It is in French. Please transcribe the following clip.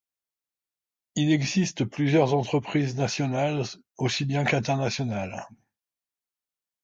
Il existe plusieurs entreprises nationales aussi bien qu'internationales.